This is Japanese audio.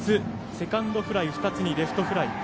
セカンドフライ２つにレフトフライ。